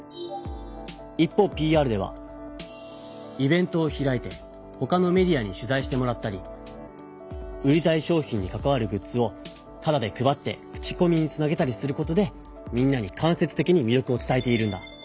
一方ＰＲではイベントを開いてほかのメディアに取ざいしてもらったり売りたい商品にかかわるグッズをタダで配って口コミにつなげたりすることでみんなに間せつてきにみ力を伝えているんだ。